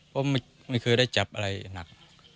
เพราะไม่เคยได้จับอะไรหนัก